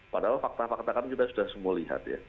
padahal fakta fakta kan kita sudah semua lihat ya